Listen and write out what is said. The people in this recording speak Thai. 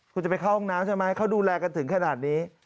คุณจะไปเข้าห้องน้ำใช่ไหมเขาดูแลกันถึงขนาดนี้